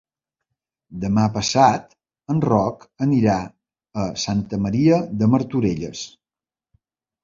Demà passat en Roc anirà a Santa Maria de Martorelles.